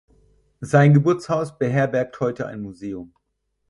Sein Geburtshaus beherbergt heute ein Museum.